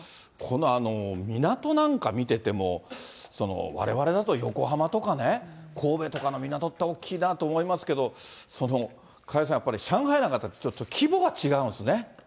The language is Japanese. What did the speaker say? この港なんか見てても、われわれだと横浜とかね、神戸とかの港って大きいなと思いますけど、加谷さん、やっぱり上海なんかだと規模が違うんですね。